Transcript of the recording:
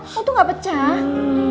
waktu ga pecah